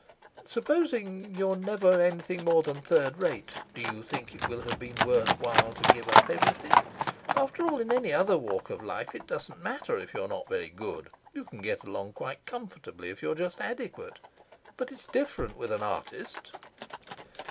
"Supposing you're never anything more than third rate, do you think it will have been worth while to give up everything? After all, in any other walk in life it doesn't matter if you're not very good; you can get along quite comfortably if you're just adequate; but it's different with an artist."